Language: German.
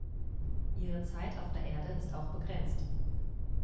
Ihre Zeit auf der Erde ist auch begrenzt.